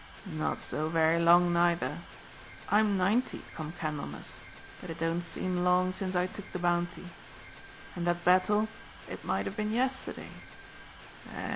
"Not so very long neither. I'm ninety, come Candlemas; but it don't seem long since I took the bounty. And that battle, it might have been yesterday.